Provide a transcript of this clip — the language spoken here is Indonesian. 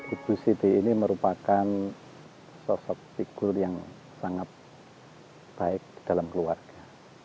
ibu siti ini merupakan sosok figur yang sangat baik dalam keluarga